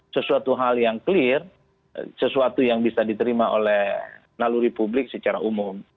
sesuatu hal yang clear sesuatu yang bisa diterima oleh naluri publik secara umum